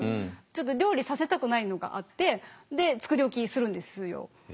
ちょっと料理させたくないのがあってで作り置きするんですよ。